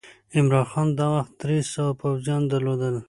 عمرا خان دا وخت درې سوه پوځیان درلودل.